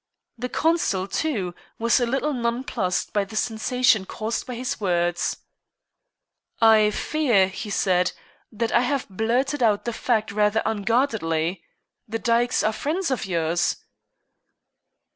The consul, too, was a little nonplussed by the sensation caused by his words. "I fear," he said, "that I have blurted out the fact rather unguardedly. The Dykes are friends of yours?"